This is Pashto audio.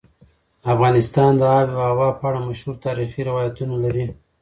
افغانستان د آب وهوا په اړه مشهور تاریخي روایتونه لري.